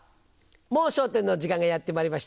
『もう笑点』の時間がやってまいりました。